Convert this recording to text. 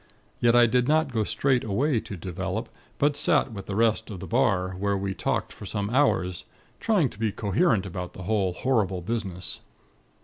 Yet, I did not go straight away to develop; but sat with the rest of the bar, where we talked for some hours, trying to be coherent about the whole horrible business.